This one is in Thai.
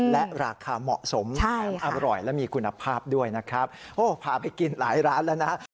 และราคาเหมาะสมแถมอร่อยและมีคุณภาพด้วยนะครับโอ้พาไปกินหลายร้านแล้วนะ